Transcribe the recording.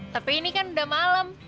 tapi ini kan udah malam